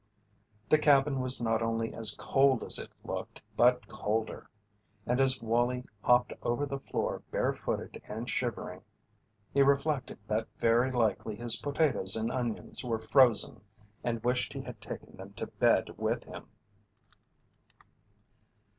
The cabin was not only as cold as it looked but colder, and as Wallie hopped over the floor bare footed and shivering he reflected that very likely his potatoes and onions were frozen and wished he had taken them to bed with him.